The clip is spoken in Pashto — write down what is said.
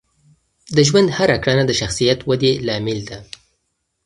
د ژوند هره کړنه د شخصیت ودې لامل ده.